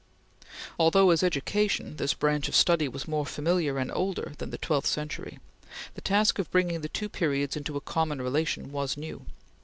Although, as education, this branch of study was more familiar and older than the twelfth century, the task of bringing the two periods into a common relation was new.